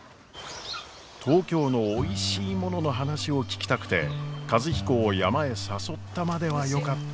東京のおいしいものの話を聞きたくて和彦を山へ誘ったまではよかったのですが。